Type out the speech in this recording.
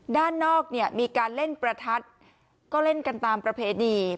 ด้านนอกเนี่ยมีการเล่นประทัดก็เล่นกันตามประเพณี